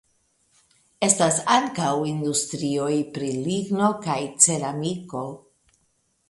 Estas ankaŭ industrioj pri ligno kaj ceramiko.